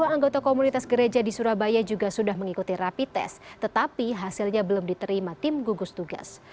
dua puluh anggota komunitas gereja di surabaya juga sudah mengikuti rapi tes tetapi hasilnya belum diterima tim gugus tugas